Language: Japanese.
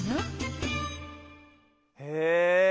へえ。